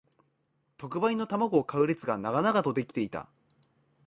特売の玉子を買う列が長々と出来ていた